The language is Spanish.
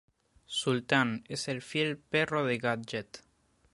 Sultán, es el fiel perro de Gadget.